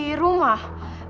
tante nurul aku mau nungguin